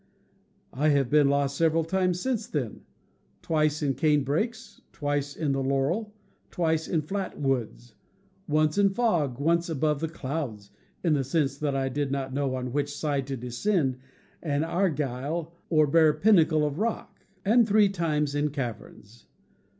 I have been lost several times since then — twice in canebrakes, twice in the laurel, twice in flat woods, Tfi "R' k ^^*^®^^^°^'^^^^ above the clouds (in the sense that I did not know on which side to descend from an aiguille or bare pinnacle of rock), and three times in caverns.